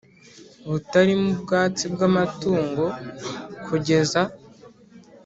butarimo ubwatsi bw amatungo kugeza